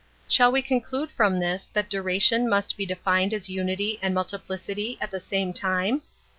Shall we conclude from this that duration must be defined as unity and multiplicity at the same time?